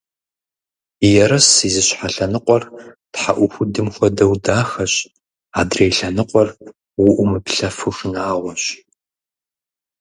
Ерыс и зы щхьэ лъэныкъуэр тхьэӏухудым хуэдэу дахэщ, адрей лъэныкъуэр уӏумыплъэфу шынагъуащ.